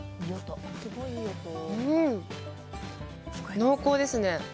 濃厚ですね。